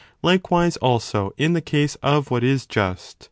Likewise also in the case of what is just.